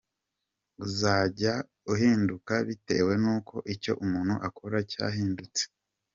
Uzajya uhinduka bitewe n’uko icyo umuntu akora cyahindutse”.